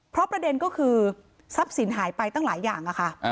เพราะประเด็นก็คือทรัพย์สินหายไปตั้งหลายอย่างค่ะ